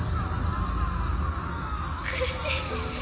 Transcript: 苦しい